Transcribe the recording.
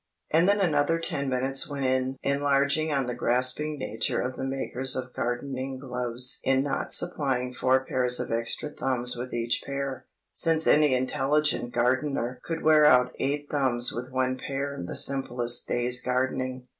And then another ten minutes went in enlarging on the grasping nature of the makers of gardening gloves in not supplying four pairs of extra thumbs with each pair, since any intelligent gardener could wear out eight thumbs with one pair in the simplest day's gardening.